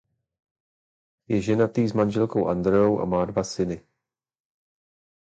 Je ženatý s manželkou Andreou a má dva syny.